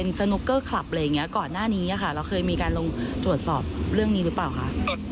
ลูกน้องไว้งานบอกว่ามันก็ไม่มีแล้วค่ะ